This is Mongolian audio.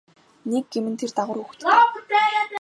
Нэг гэм нь тэр дагавар хүүхэдтэй.